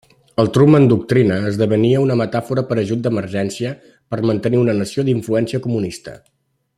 El Truman Doctrina esdevenia una metàfora per ajut d'emergència per mantenir una nació d'influència comunista.